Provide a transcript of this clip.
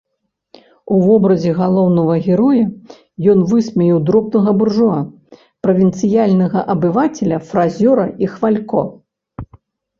У вобразе галоўнага героя ён высмеяў дробнага буржуа, правінцыяльнага абывацеля, фразёра і хвалько.